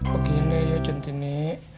begini ya centini